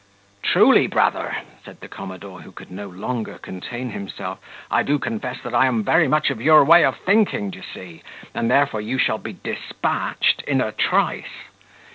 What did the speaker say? "Truly, brother," said the commodore, who could no longer contain himself, "I do confess that I am very much of your way of thinking, d'ye see, and therefore you shall be despatched in a trice."